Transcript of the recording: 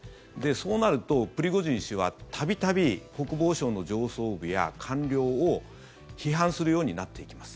そうなるとプリゴジン氏は度々、国防省の上層部や官僚を批判するようになっていきます。